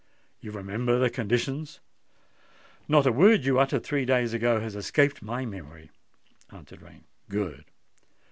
You remember the conditions?" "Not a word you uttered three days ago has escaped my memory," answered Rain. "Good.